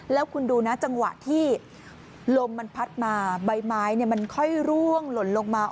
แล้วคุณดูนะจังหวะที่ลมมันพัดมาใบไม้มันค่อยร่วงหล่นลงมา